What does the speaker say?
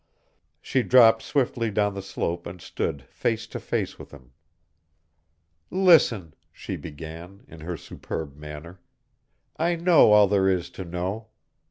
She dropped swiftly down the slope and stood face to face with him. "Listen," she began, in her superb manner. "I know all there is to know.